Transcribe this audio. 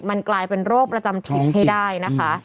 มันกลายเป็นโรคประจำถิ่นให้ได้นะคะ